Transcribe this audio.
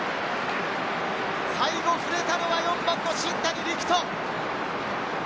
最後、触れたのは４番の新谷陸斗。